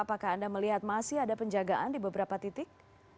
apakah anda melihat masih ada penjagaan di beberapa titik